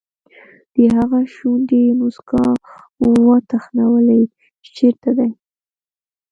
د هغه شونډې موسکا وتخنولې چې چېرته دی.